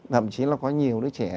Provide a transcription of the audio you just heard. thậm chí là có nhiều đứa trẻ